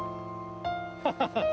ハハハッ！